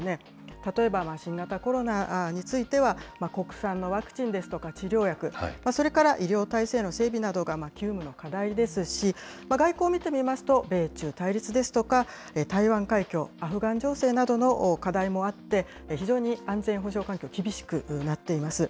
例えば新型コロナについては国産のワクチンですとか、治療薬、それから医療体制の整備などが急務の課題ですし、外交を見てみますと、米中対立ですとか、台湾海峡、アフガン情勢などの課題もあって、非常に安全保障環境、厳しくなっています。